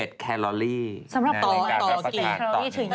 สำหรับต่อกี่ต่อกี่ต่อรูปไหนคะ